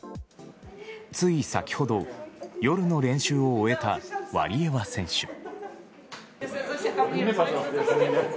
つい先ほど、夜の練習を終えたワリエワ選手。